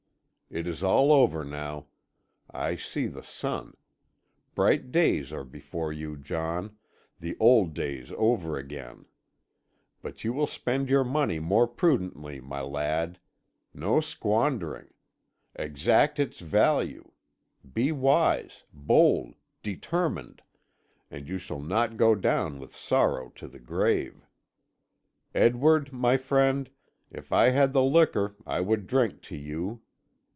It is all over now. I see the sun; bright days are before you, John, the old days over again; but you will spend your money more prudently, my lad; no squandering; exact its value; be wise, bold, determined, and you shall not go down with sorrow to the grave. Edward, my friend, if I had the liquor I would drink to you.